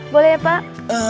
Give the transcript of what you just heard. boleh ya pak